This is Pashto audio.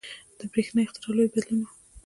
• د برېښنا اختراع لوی بدلون و.